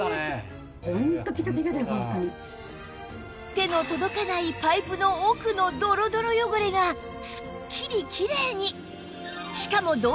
手の届かないパイプの奥のドロドロ汚れがスッキリきれいに！